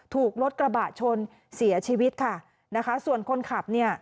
ถูกรถกระบะชนเสียชีวิตค่ะนะคะส่วนคนขับเนี่ย